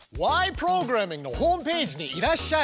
プログラミング」のホームページにいらっしゃい。